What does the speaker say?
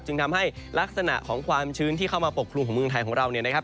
จึงทำให้ลักษณะของความชื้นที่เข้ามาปกครุมของเมืองไทยของเราเนี่ยนะครับ